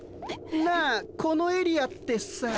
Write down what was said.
なあこのエリアってさ。